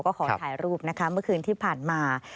ก็ขอถ่ายรูปนะคะเมื่อคืนที่ผ่านมา